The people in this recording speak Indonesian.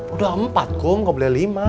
udah empat kok nggak boleh lima